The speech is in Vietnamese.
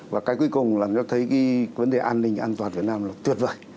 và cái cuối cùng là nó thấy cái vấn đề an ninh an toàn việt nam là tuyệt vời